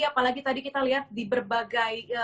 apalagi tadi kita lihat di berbagai